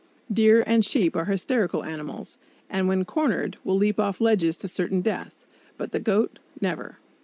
Deer and sheep are hysterical animals, and when cornered will leap off ledges to certain death; but the goat, never!